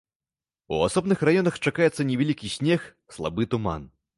У асобных раёнах чакаецца невялікі снег, слабы туман.